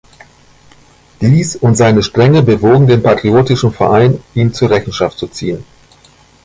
Dies und seine Strenge bewogen den Patriotischen Verein, ihn zur Rechenschaft zu ziehen.